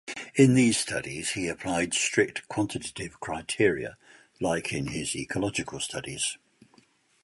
In these studies, he applied strict quantitative criteria, like in his ecological studies.